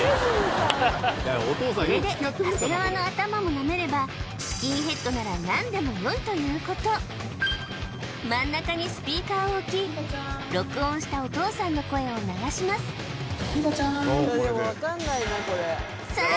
これで長谷川の頭も舐めればスキンヘッドなら何でもよいということ真ん中にスピーカーを置き録音したお父さんの声を流しますさあ